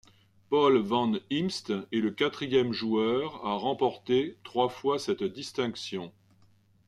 Paul Van Himst est le quatrième joueur à remporter trois fois cette distinction.